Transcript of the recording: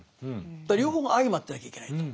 だから両方が相まってなきゃいけないと。